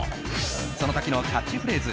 その時のキャッチフレーズ